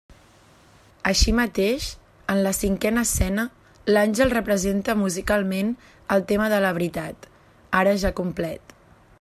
Així mateix, en la cinquena escena l'àngel representa musicalment el tema de la veritat, ara ja complet.